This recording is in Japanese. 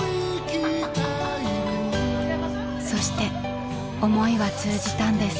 ［そして思いは通じたんです］